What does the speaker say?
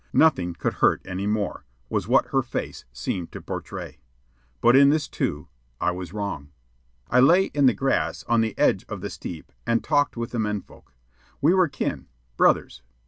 Nothing could hurt any more, was what her face seemed to portray; but in this, too, I was wrong. I lay in the grass on the edge of the steep and talked with the men folk. We were kin brothers.